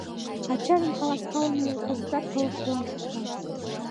Ачажын каласкалымыже кызытат пылышыжлан шокта.